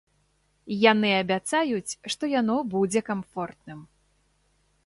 Яны абяцаюць, што яно будзе камфортным.